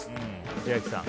千秋さん